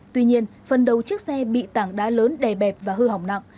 tuy nhiên phần đầu chiếc xe bị tảng đá lớn đè bẹp và hư hỏng nặng